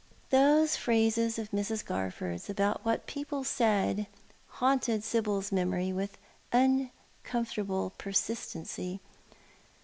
Those phrases of Mrs. Garforth's about what people said haunted Sibyl's memory with uncomfortable persistency.